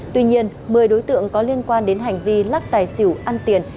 tuy nhiên một mươi đối tượng có liên quan đến hành vi lắc tài xỉu ăn tiền